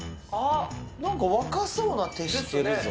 なんか若そうな手してるぞ。